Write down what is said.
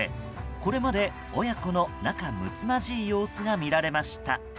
これまで、親子の仲睦まじい様子が見られました。